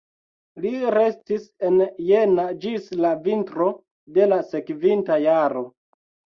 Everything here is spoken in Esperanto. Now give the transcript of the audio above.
Li restis en Jena ĝis la vintro de la sekvinta jaro.